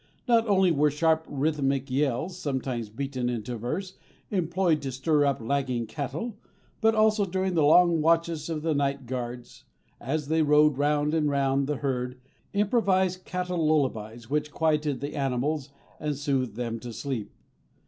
Not only were sharp, rhythmic yells sometimes beaten into verse employed to stir up lagging cattle, but also during the long watches the night guards, as they rode round and round the herd, improvised cattle lullabies which quieted the animals and soothed them to sleep.